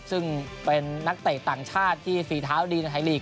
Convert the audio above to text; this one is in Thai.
ซึ่งเป็นนักเตะต่างชาติที่ฝีเท้าดีในไทยลีก